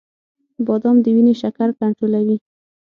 • بادام د وینې شکر کنټرولوي.